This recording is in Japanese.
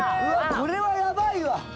これはやばいわ！